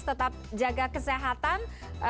tetap jaga kesehatan